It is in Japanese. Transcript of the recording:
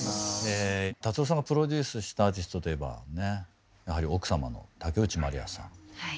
達郎さんがプロデュースしたアーティストといえばねやはり奥様の竹内まりやさん。